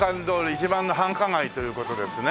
一番の繁華街という事ですね